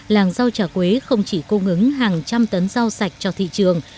làng rau trà quế không chỉ cung ứng hàng trăm tấn rau sạch cho thị trường